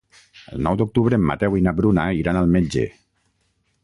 El nou d'octubre en Mateu i na Bruna iran al metge.